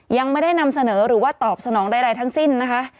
ยังไม่ได้นำเสนอหรือว่าตอบสนองใดทั้งสิ้นนะคะ